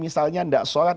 misalnya tidak sholat